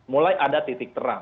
mulai ada titik terang